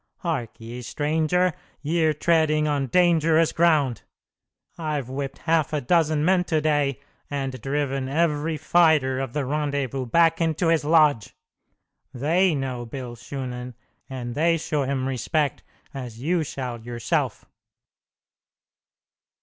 Hark ye, stranger, ye're treading on dangerous ground. I've whipped half a dozen men to day, and driven every fighter of the rendezvous back into his lodge. They know Bill Shunan, and they show him respect, as you shall yourself."